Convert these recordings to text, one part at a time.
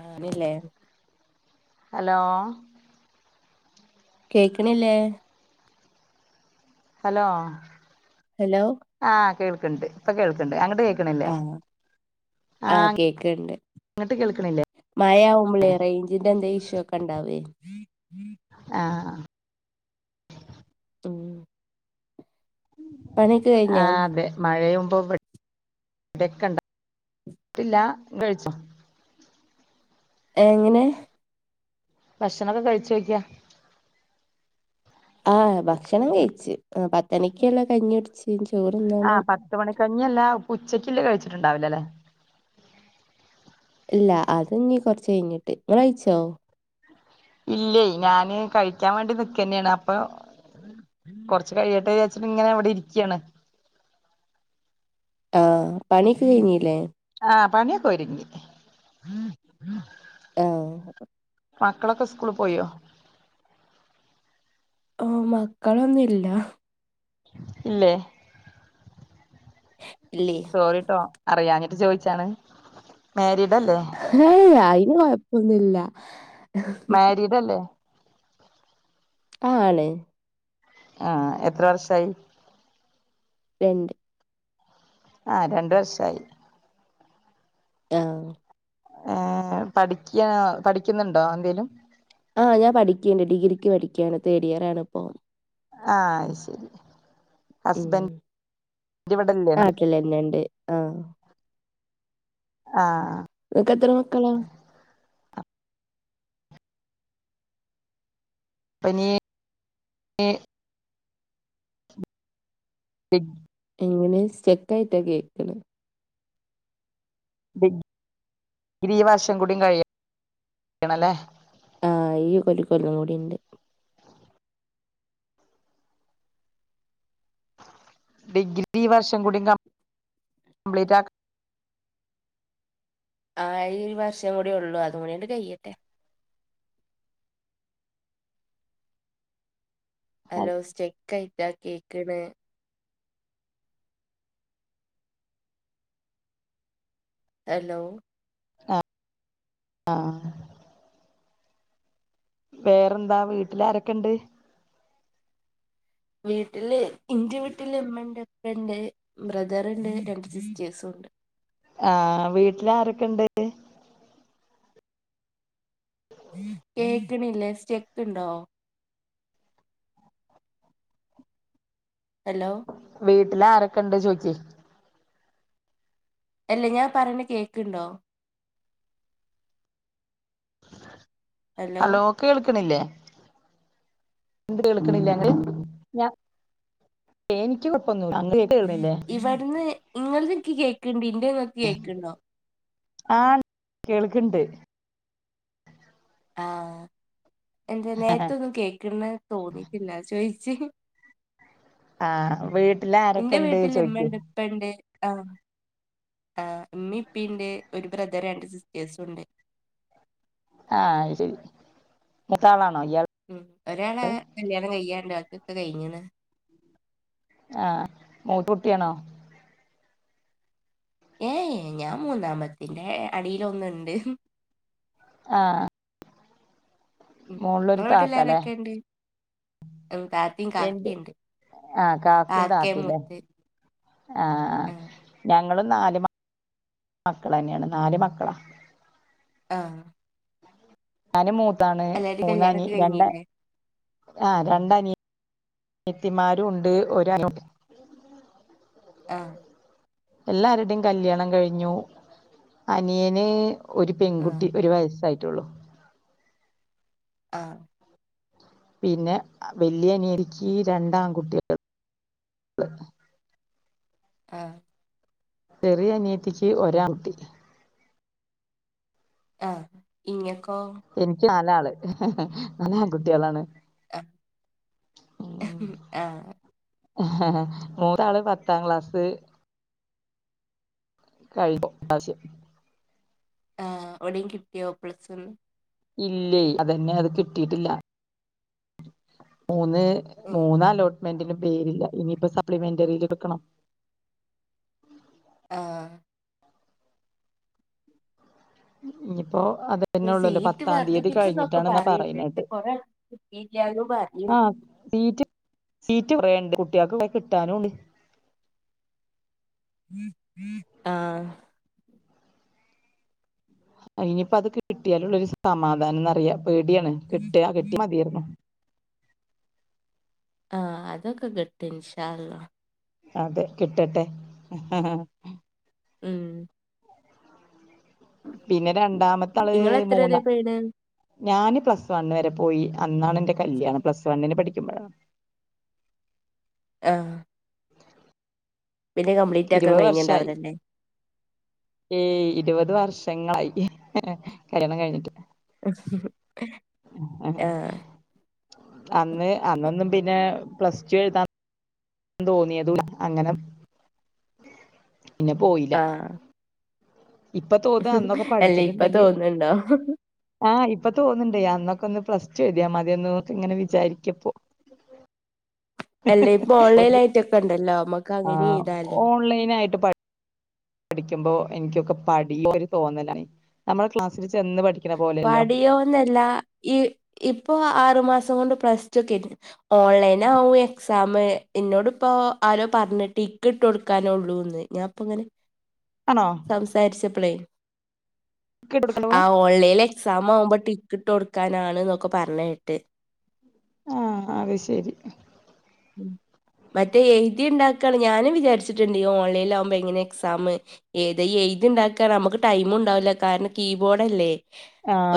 ആഹ് നില്ലേ ഹലോ കേക്കണില്ലേ hello hello ആഹ് കേൾക്കണ്ട് ഇപ്പൊ കേൾക്കണ്ട് അങ്ങെട്ട് കേ കേക്കണില്ലേ ആഹ് ആഹ് അങ്ങെട്ട് കേൾക്കണില്ലേ മായാവുമ്പളെ റേഞ്ചിന്റെ എന്തേ ഇഷ്യൂ ഒക്കെ ഒണ്ടാവേ ആഹ് തൂ കഴിഞ്ഞോ ആഹ് ബെ മഴയുമ്പം പെ വെക്കണ്ട ഇല്ല കഴിച്ചോ എങ്ങനെ ഭക്ഷണം ഒക്കെ കഴിച്ചോക്കിയ ആഹ് ഭക്ഷണം കയിച്ചു പത്ത് മണിക്ക് ഉള്ള കഞ്ഞി കുടിച്ച് ചോറ് തിന്നണം. പത്ത്മണിക്കഞ്ഞിയല്ല ഇപ്പം ഉച്ചക്കില്ലേ കഴിച്ചിട്ടുണ്ടാവില്ല അല്ലേ. ഇല്ല അത് നീ കൊറച്ച് കഴിഞ്ഞിട്ട് നിങ്ങള് കഴിച്ചോ ഇല്ലേ ഞാന് കഴിക്കാൻ വേണ്ടി നിക്കതന്നെയാണ് അപ്പൊ. കൊറച്ച് കഴിയട്ടെ വിചാരിച്ച് ഇങ്ങനെ ഇവടെ ഇരിക്കയാണ്. ആഹ് പണിയൊക്കെ കഴിഞ്ഞില്ലേ. ആഹ് പണിയൊക്കെ ഒരുങ്ങി ആഹ് മക്കളൊക്കെ സ്കൂളിൽ പോയോ. ഓഹ് മക്കളൊന്നുയില്ല. ഇല്ലേ ഇല്ലേ സോറിട്ടോ അറിയാഞ്ഞിട്ട് ചോദിച്ചാണ് മാരിഡ് അല്ലേ. ഏഹ് അയിന് കൊഴപ്പൊന്നുയില്ല. മാരിഡ് അല്ലേ ആണ് ആഹ് എത്ര വർഷായി രണ്ട് ആഹ് രണ്ട് വർഷായി ആഹ് ഏഹ് പഠിക്ക്യ പഠിക്ക്യിന്ന്ണ്ടോ എന്തേലും ആഹ് ഞാൻ പഠിക്ക്യിണ്ട് ഡിഗ്രിക്ക് പഠിക്ക്യാണ് തേർഡ് ഇയറാണ് ഇപ്പൊ ആഹ് അഹ് ശരി ഹസ്ബൻഡ് ഇവടല്ലേ നാട്ട്ല് ക്ക്ല്ലെന്നണ്ട് ആഹ് ആഹ് ഇങ്ങക്കെത്ര മക്കളാ ഇപ്പഞ്ഞി എ എങ്ങനെ സ്റ്റക്കായിട്ടാ കേക്ക്ണെ ഡിഗ്രി ഈ വർഷക്കൂടി കഴിയണല്ലേ ആഹ് ഈ കൊല്ല് കൊല്ലക്കൂടിണ്ട് ഡിഗ്രി ഈ വർഷക്കൂടി കംപ്ലീറ്റാക്ക് ആഹ് ഈ വർഷക്കൂടിയേള്ളൂ അത് കൂടിയാണ്ട് കയ്യട്ടെ ഹലോ സ്റ്റെക്കായിറ്റാ കേക്ക്ണെ ഹലോ ആഹ് ആഹ് വേറെന്താ വീട്ടിലാരൊക്കണ്ട് വീട്ടില് ഇന്റെ വീട്ടില് ഇമ്മണ്ട് ഇപ്പണ്ട് ബ്രദറ്ണ്ട് രണ്ട് സിസ്റ്റേഴ്സുംണ്ട് ആഹ് വീട്ട്ലാരൊക്കണ്ട് കേക്ക്ണില്ല സ്റ്റെക്ക്ണ്ടോ ഹലോ വീട്ടിലാരൊക്കണ്ട് ചോയിച്ചേ എല്ലാ ഞാ പറയ്ണെ കേക്ക്ണ്ടോ ഹലോ കേൾക്ക്ണില്ലേ ണ്ട് കേൾക്ക്ണില്ലേ അങ്ങട്ട് ഞാ [unintelligible] എന്ക്ക്യ് കൊഴപ്പന്നു അങ്ങട്ട് കേ ഇവട്ന്ന് ഇങ്ങൾത് ഇന്ക്ക്യ് കേക്ക്ണ്ട് ഇന്റെങ്ങക്ക് കേക്ക്ണ്ടോ ആഹ് കേൾക്ക്ണ്ട് ആഹ് എന്ത് നേരത്തൊന്നും കേക്ക്ണെ തോന്നീട്ടില്ല ചോയിച്ച് ആഹ് വീട്ടിലാരൊക്കണ്ട് ചോയ്ക്കെ ഇപ്പെണ്ട് ആഹ് ആഹ് ഇമ്മിം ഇപ്പിണ്ട് ഒരു ബ്രദർ രണ്ട് സിസ്റ്റേഴ്സുംണ്ട് ആഹ് അഹ് ശരി മുത്താളാണോ ഇയാൾ ഉം ഒരാളെ കല്യാണം കയ്യാണ്ട് ബാക്ക്യൊക്കെ കഴിഞ്ഞ്ണ് ആഹ് മൂത്ത കുട്ട്യാണോ ഏഹ് ഞാൻ മൂന്നാമ്മത്തി ഇന്റെ അടിയിലൊന്ന്ണ്ട് ആഹ് ഉം മോൾലൊരു ഇങ്ങളെ താത്തല്ലേ വീട്ടിലാരൊക്കെണ്ട് ഉം താത്തിം എന്റ് കാക്കിണ്ട് ആഹ് കാക്കും കാക്കേ താത്തിലേ മൂത്ത് ആഹ് ആഹ് ഞങ്ങളും നാല് മ മക്കളന്നേണ് നാല് മക്കളാ ആഹ് ഞാനും മൂത്താണ് എല്ലാരിം മൂന്നനി കല്യാണൊക്കെ രണ്ടെ കഴിഞ്ഞില്ലേ ആഹ് രണ്ടനിയത്തിമാരുണ്ട് ഒരു [unintelligible] ആഹ് എല്ലാരുടെം കല്യാണം കഴിഞ്ഞു അനിയന് ഒരു ആഹ് പെങ്കുട്ടി ഒരു വയസ്സായി റ്റുള്ളൂ ആഹ് പിന്നെ വല്ല്യാ അനിയരിക്കി രണ്ടാൻകുട്ട്യാ ആഹ് ചെറ്യാ അനിത്തിക്ക് ഒരാൻകുട്ടി ആഹ് ഇങ്ങക്കോ എനിക്ക് നാലാള് നാലാൺ കുട്ട്യളാണ് ആഹ് ആഹ് നൂറാൾ പത്താം ക്ലാസ് [unintelligible] ആഹ് എവിടേം കിട്ട്യോ പ്ലസും ഇല്ലേ അതന്നെ അത് കിട്ടിട്ടില്ല മൂന്ന് ഉം മൂന്നലോട്ട്മെന്റിനും പേരില്ല ഇനിപ്പ സപ്ലിമെന്ററിയില് വെക്കണം ആഹ് ഇനിപ്പോ അതെ ന്നള്ളല്ലോ സീറ്റ് പത്താം തീയതി വർദ്ധിപ്പിച്ചന്നൊക്കെ കഴിഞ്ഞിട്ടാണ് ന്ന പറയണ്ട് പക്ഷെ പറയണെട്ടെ കൊറേ കിട്ടിയില്ലാന്നും പറയണ്ട് ആഹ് സീറ്റ് സീറ്റ് കൊറേണ്ട് കുട്ട്യൾക്കാണെങ്കെ കിട്ടാനുണ്ട് ആഹ് ഇനിപ്പ അത് കിട്ട്യാലുള്ളൊരു സമാധാനംന്ന്റിയ പേട്യാണ് കിട്ട്യാ കിട്ട്യാ മത്യാരുന്നു ആഹ് അതൊക്കെ കിട്ടും ഇൻഷാ അള്ളാ അതെ കിട്ടട്ടെ ഉമ് പിന്നെ രണ്ടാമത്തള് ഇങ്ങളെത്ര മൂന്ന വരെ പോയിണ് ഞാന് പ്ലസ് വണ്ണ് വരെ പോയി അന്നാണ് എന്റെ കല്യാണം പ്ലസ് വണ്ണിന് പഠിക്കുമ്പോഴ ആഹ് പിന്നെ കപ്ലീറ്റാക്കാൻ ഇരുപത് വർഷായി കഴിഞ്ഞിണ്ടാവില്ല ല്ലേ ഏയ് ഇരുപത് വർഷങ്ങളായ് കല്യാണം കഴിഞ്ഞിട്ട് ആഹ് അന്ന് അന്നൊന്നും പിന്നെ പ്ലസ് ടു എഴുതാൻ താൻ തോന്നിയതുല്ല അങ്ങനെ പിന്നെ പോയില്ല ആഹ് ഇപ്പൊ തോന്ന അന്നൊക്കെ അല്ല ഇപ്പ പഠിച്ചിട്ട്ണ്ടെങ്കി തോന്നുന്നുണ്ടോ ആഹ് ഇപ്പൊ തോന്ന്ണ്ടേ അന്നൊക്കെ ഒന്ന് പ്ലസ് ടു എഴുത്യാ മത്യാന്നു ഇങ്ങനെ വിചാരിക്കുപ്പോ അല്ലേ ഇപ്പൊ ഓൺലൈൻ ആയിട്ടൊക്കെ ഇണ്ടല്ലോ മ്മക് ആഹ് ഓൺലൈൻ ആയിട്ട് പഠി പഠിക്കുമ്പോ എനിക്കൊക്കെ പഠി ഒരു തോന്നലാണ് നമ്മള് ക്ലാസ്സില് ചെന്ന് പഠിക് പടിയോന്നല്ല ഈ ഇപ്പൊ ആറു മാസം കൊണ്ട് പ്ലസ് ടു ക്കെ ഓൺലൈൻ ആവും എക്സാമ് എന്നോട് ഇപ്പോ ആരോ പറഞ്ഞു ടിക്ക് റ്റ് കൊടുക്കാനുള്ളൂന്ന് ഞാൻ ഇപ്പം ഇങ്ങനെ ആണോ സംസാരിച്ചപ്പളേ ആ [unintelligible] ഓൺലൈനിൽ എക്സാം ആവുമ്പോ ടിക്ക് ഇട്ട് കൊടുക്കാന് ആണ് എന്നൊക്കെ പറഞ്ഞ കേട്ട് ആഹ് അഹ് ശരി ഉമ് മറ്റേ എഴുതി ഉണ്ടാക്കാണ് ഞാനും വിചാരിച്ചിട്ടുണ്ട് ഈ ഓൺലൈനിൽ ആകുമ്പോ എങ്ങനെ എക്സാമ് ഏത് ഈ എഴുതി ഉണ്ടാക്കാൻ നമുക്ക് ടൈം ഉണ്ടാവില്ല കാരണം കീബോർഡ് അല്ലേ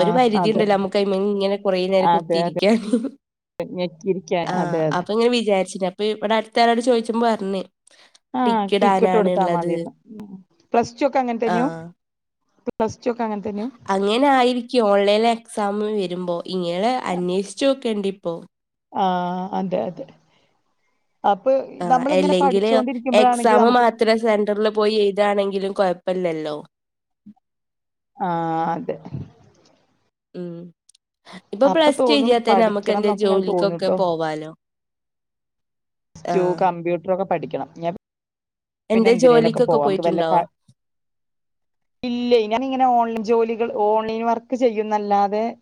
ഒരു പരിധി അതെ. ഉണ്ടല്ലോ നമുക്ക് അയിമ്മേൽ ഇങ്ങനെ കുറേ നേരം അതെ അതെ. കുത്തിയിരിക്കാൻ ഞെക്കിയിരിക്കാൻ ആഹ് അതെ അതെ. അപ്പൊ ഇങ്ങനെ വിചാരിച്ചന് അപ്പൊ ഇവിടെ അടുത്ത് ആളോട് ചോദിച്ചപ്പം പറഞ്ഞ് ആഹ് ടിക്ക് ഇട്ട് ടിക്കിടാനാണ് കൊടുത്താ ഉള്ളത് മതിന്ന് പ്ലസ് ടു ഒക്കെ അങ്ങനെ തന്നെയാവും ആഹ് പ്ലസ് ടു ഒക്കെ അങ്ങനെ തന്നെ അങ്ങനെ ആയിരിക്കും ഓൺലൈനിൽ എക്സാം വെരുമ്പോ ഇങ്ങനെ അന്വേഷിച്ചു നോക്കണ്ടേ ഇപ്പോ? ആഹ് അതെ അതെ- അപ്പ് ആഹ് നമ്മളിങ്ങനെ പഠിച്ചൊണ്ടിരിക്കുമ്പഴാണെങ്കി നമുക്ക്- സെന്ററില് പോയി എയ്താണെങ്കിലും കൊയപ്പ്ല്ലല്ലോ- ആഹ് അതെ- ഉം- ഇപ്പൊ അപ്പൊ പ്ലസ് ടു തോന്നും എഴുതിയാതന്നെ നമുക്ക് പഠിക്കണം എന്തേ ന്നൊക്കെ ഇങ്ങനെ ജോലിക്കൊക്കെ പോവാലോ- ജോ ആഹ് കമ്പ്യൂട്ടറൊക്കെ പഠിക്കണം ഞാ പിന്നെ എന്തേ എന്തിനേനൊക്കെ ജോലിക്കൊക്കെ പോവാം നമുക്ക് വല്ല പോയിട്ടുണ്ടോ ക ഇല്ലി ഞാന് ഇങ്ങനെ ഓൺലൈൻ ജോലികൾ ഓൺലൈൻ വർക്ക് ചെയ്യുന്നല്ലാതെ-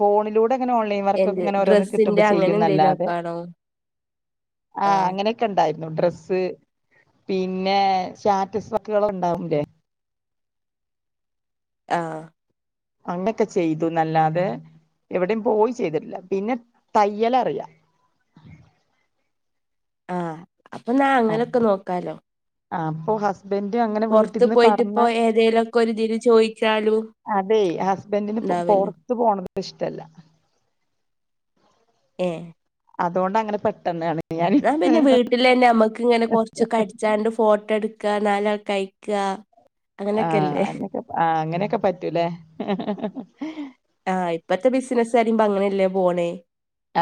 ഫോണിലൂടെ ഇങ്ങനെ ഓൺലൈൻ- വർക്കൊക്കെ‌ എന്ത് ഇങ്ങനെ ഓരോന്ന് ഡ്രസ്സിന്റെ കിട്ടുമ്പം അങ്ങനെ എന്തേലും ചെയ്യുംന്നല്ലാതെ ഒക്കെ ആണോ ആഹ് അങ്ങനെ- നിക്കണ്ടായിരുന്നു ഡ്രസ്സ് പിന്നെ സ്റ്റാറ്റസ് കളൊക്കെ ഉണ്ടാവൂല്ലേ- ആഹ്- അങ്ങൻക്കെ ചെയ്തുന്നല്ലാതെ എവിടെയും പോയി ചെയ്തിട്ടില്ല പിന്നെ തയ്യലറിയാം- ആഹ് അപ്പൊന്നാ അങ്ങനൊക്കെ നോക്കാലോ- ആഹ് അപ്പോ ഹസ്- ബൻ്റ് അങ്ങനെ- പൊറത്ത് വീട്ടിൽന്ന് പോയിട്ട് പറഞ്ഞ ഇപ്പോ ഏതേലൊക്കെ ഒരു രീതീ ചോദിച്ചാലൂ- അതെ ഹസ്ബൻഡിന് പൊറത്ത് പോണത് ഇഷ്ടല്ല- ഏഹ്- അത്കൊണ്ടങ്ങനെ പെട്ടെന്നാണ്- ഞാൻ എന്നാ പിന്നെ വീട്ടിലെന്നെ അമ്മക്ക് ഇങ്ങനെ കൊറച്ച് കടിച്ചാണ്ട്- ഫോട്ടോ എടുക്ക്ക നല്ല കഴിക്ക്ക- ആഹ് അങ്ങനെയൊക്കെ ആഹ് അങ്ങനെയൊക്കെ പറ്റൂലേ- ആഹ് ഇപ്പഴത്തെ ബിസിനസ്സ് വരുമ്പം അങ്ങനെയല്ലേ പോണേ-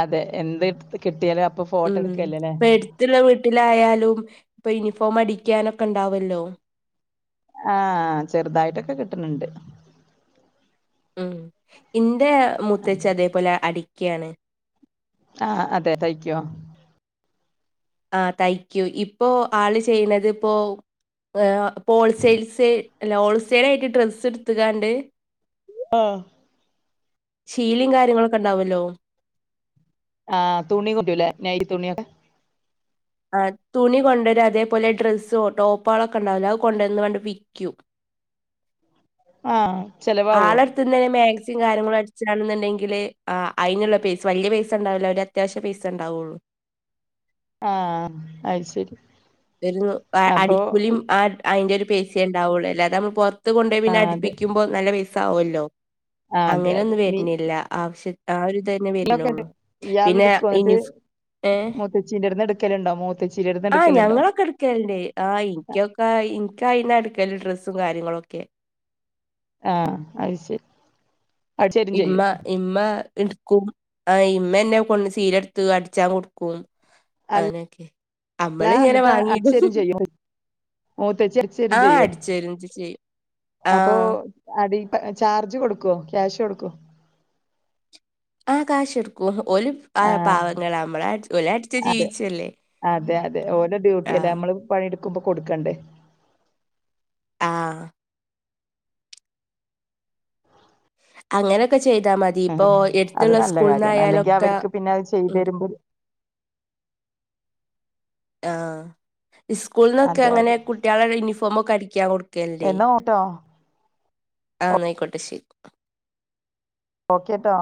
അതെ എന്ത് കിട്ടിയാലും അപ്പൊ ഫോട്ടോ എട്ക്ക്ല്ലേ ലേ- കൊച്ചുള്ള വീട്ടിലായാലും ഇപ്പൊ യൂണിഫോം അടിക്കാനൊക്കെ ഉണ്ടാവല്ലോ- ആഹ് ചെറുതായിട്ടൊക്കെ കിട്ടണണ്ട്- ഉം ഇന്റെ മുത്തേച്ചി അതേപോലെ അടിക്കയാണ്- ആഹ് അതെ തയ്ക്കോ? ആഹ് തയിക്കും ഇപ്പോ ആള് ചെയ്യണത് ഇപ്പോ ആഹ് ഹോൾസെയിൽസ്- അല്ല ഹോൾ സെയിലായിട്ട് ഡ്രസ്സ് എടുത്ത്കാണ്ട്- ആഹ്- ശീലും കാര്യങ്ങളൊക്കെ ഉണ്ടാവുല്ലോ- ആ തുണി കുട്ടൂലേ നൈറ്റി തുണിയൊക്കെ ആഹ് തുണി കൊണ്ടരും അതേപോലെ ഡ്രസ്സോ ടോപ്പോളൊക്കെ ഉണ്ടാവല്ലോ അത് കൊണ്ടുവന്നണ്ട് വിക്കും. ആഹ് ചെലവാവോ? അതങ്ങനെ മാക്സിം കാര്യങ്ങളും അടിച്ചാണെന്നുണ്ടെങ്കില് ആഹ് അയിന്ള്ള പൈസ വല്യ പൈസണ്ടാവൂല ഒര അത്യാവശ്യ പൈസ ണ്ടാവുള്ളൂ. ആഹ് അയ് ശരി. ഒരു അപ്പൊ അടിക്കൂലിം ആ അയിന്റെ ഒരു പൈസ്യേ ണ്ടാവുള്ളൂ അല്ലാതെ അമ്മൾ പൊർ ത്ത് കൊണ്ടോയി പിന്നെ ആഹ് അതെ അട്പ്പിക്കുമ്പോ നല്ല പൈസ ആവുല്ലോ ആഹ് അതെ അതെ അങ്ങനെന്നും നീ വര്ന്നില്ല ആവശ്യ ആഹ് ഒരു ഇതന്നെ നീയൊക്കെണ്ട് വര്നൊള്ളൂ പിന്നെ യുനിഫ്‌ ഏഹ്. ചേച്ചിന്റേട്ക്കലുണ്ടോ മൊ ആഹ് ഞങ്ങളൊക്കെ എട്ക്കൽണ്ട് ആഹ് ഇൻക്കൊക്കെ എനിക്കയിന്ന എടുക്കല്ല ഡ്രസ്സും കാര്യങ്ങളൊക്കെ- ആഹ് അയ് ശരി. അടിച്ചേരും ചെയ്യും ഇമ്മ ഇമ്മ ട്ക്കും ആ ഇമ്മന്നെ കൊണ്ട് ചീര ത്ത് അടിച്ചാൻ കൊടുക്കും- അല്ല അങ്ങനൊക്കെ അമ്മള് ഇങ്ങനെ എന്നിട്ട് വാങ്ങീടും അടിച്ചേരും ചെയ്യും മൂത്തച്ചി അടിച്ചേരും ആഹ് ചെയ്യും അട്ച്ചേരൊക്കെ ചെയ്യും അപ്പൊ ആഹ്. അടി ചാർജ് കൊട് ക്കോ ക്യാഷ് കൊട് ക്കോ? ആ കാശ് എട് ക്കും ഓല് ആ ആഹ് പാവങ്ങളാ അമ്മളട് ഓലട്ച്ച് അതെ ജീവിച്ചല്ലേ. അതെ അതെ ഓല ആ ഡ്യൂട്ടി അല്ലേ അമ്മള് പണിട്ക്കുമ്പൊ കൊടുക്കണ്ടേ ആഹ് അങ്ങനൊക്കെ ചെയ്താ മതി ആഹ് അത് ഇപ്പോഎട്ത്ത്ള്ള നല്ല സ്കൂൾ കാര്യാണ് അല്ലെങ്കി ന്നായാലൊക്കെ അവർക്ക് പിന്നെ അത് ചെയ്ത് ണ്ട്. തരുമ്പോ ആഹ് സ്കൂൾന്നൊക്കെ അതെ അങ്ങനെ അതെ കുട്ട്യേ ളെ യൂണിഫോമൊക്കെ അടി ക്ക്യാൻ കൊട് എന്റെ എന്നാ ഓട്ടോ ആഹ് ന്നാ അയിക്കോട്ടെ ശെരി. ഓക്കേ ട്ടോ.